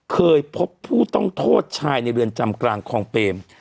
เคยพบผู้ต้องโทษชายในเรือนจำกลางคลองเปรม